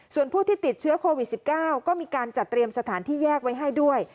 ส่วนผู้ที่ติดเชื้อโควิด๑๙ก็มีการจัดเตรียมสถานที่แยกไว้ให้ด้วย